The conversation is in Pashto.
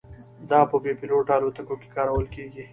دا په بې پیلوټه الوتکو کې کارول کېږي.